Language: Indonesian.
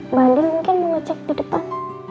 mbak andi mungkin mau ngecek di depan